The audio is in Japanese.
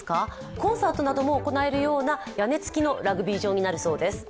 コンサートなども行えるような屋根付きのラグビー場になるようです。